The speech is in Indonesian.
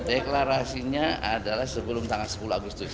deklarasinya adalah sebelum tanggal sepuluh agustus